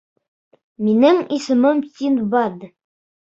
— Минең исемем Синдбад.